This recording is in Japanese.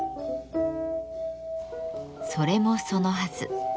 それもそのはず。